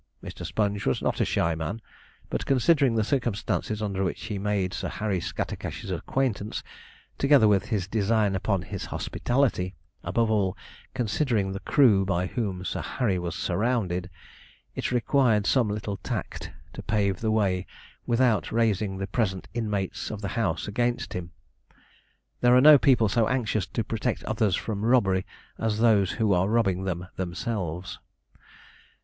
Mr. Sponge was not a shy man, but, considering the circumstances under which he made Sir Harry Scattercash's acquaintance, together with his design upon his hospitality above all, considering the crew by whom Sir Harry was surrounded it required some little tact to pave the way without raising the present inmates of the house against him. There are no people so anxious to protect others from robbery as those who are robbing them themselves.